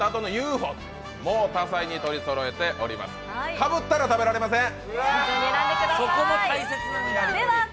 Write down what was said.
かぶったら食べられません。